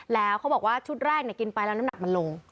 แล้วเขาบอกว่าชุดแรกกินไปแล้วน้ำหนักมันลง